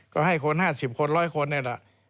ก็ให้คน๕๐คน๑๐๐คนนี่แหละ